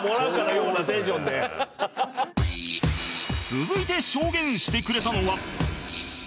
続いて証言してくれたのは